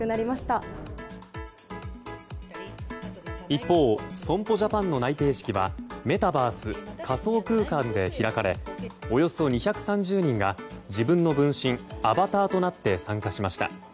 一方損保ジャパンの内定式はメタバース・仮想空間で開かれおよそ２３０人が自分の分身、アバターとなって参加しました。